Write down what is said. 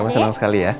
masa mu seneng sekali ya